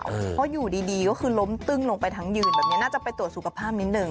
เพราะอยู่ดีก็คือล้มตึ้งลงไปทั้งยืนแบบนี้น่าจะไปตรวจสุขภาพนิดหนึ่ง